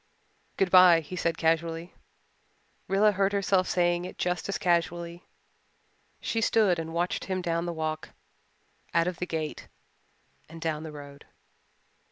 "Good bye," he said casually. Rilla heard herself saying it just as casually. She stood and watched him down the walk, out of the gate, and down the road.